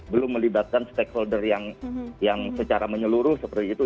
belum melibatkan stakeholder yang secara menyeluruh seperti itu